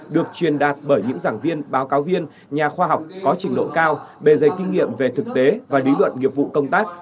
được truyền đạt bởi những giảng viên báo cáo viên nhà khoa học có trình độ cao bề dây kinh nghiệm về thực tế và lý luận nghiệp vụ công tác